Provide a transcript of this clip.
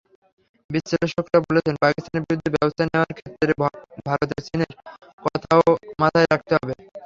বিশ্লেষকেরা বলছেন, পাকিস্তানের বিরুদ্ধে ব্যবস্থা নেওয়ার ক্ষেত্রে ভারতকে চীনের কথাও মাথায় রাখতে হবে।